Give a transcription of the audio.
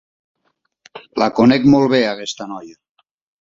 La conec molt bé, aquesta noia.